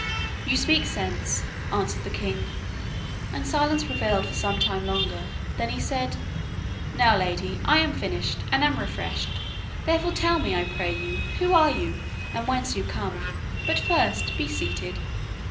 'You speak sense,' answered the king, and silence prevailed for some time longer. Then he said: 'Now, lady, I have finished, and am refreshed, therefore tell me, I pray you, who you are, and whence you come? But, first, be seated.